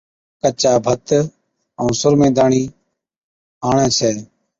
ڪچا ڀَتَ ائُون سرمي داڻي آڻي ڇَي